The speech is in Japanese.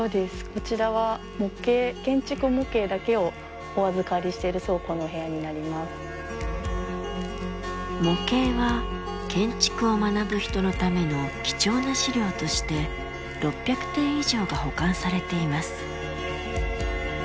こちらは模型は建築を学ぶ人のための貴重な資料として６００点以上が保管されています。